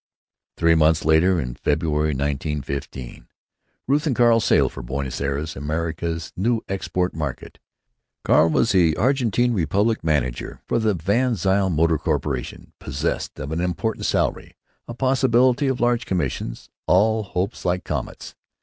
Three months later, in February, 1915, Ruth and Carl sailed for Buenos Ayres, America's new export market. Carl was the Argentine Republic manager for the VanZile Motor Corporation, possessed of an unimportant salary, a possibility of large commissions, and hopes like comets.